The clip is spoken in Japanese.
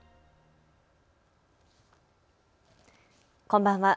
こんばんは。